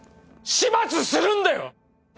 始末するんだよ！